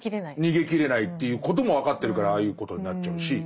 逃げきれないということも分かってるからああいうことになっちゃうし。